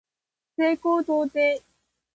西高東低